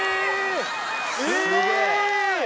すごい！